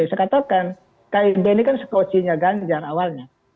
saya katakan kib ini kan sekocinya ganjar awalnya